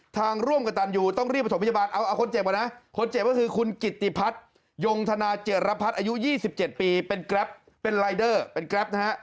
ยงธนาเจรพัฒน์อายุ๒๗ปีเป็นกรัฟเป็นลายเดอร์เป็นกรัฟนะฮะ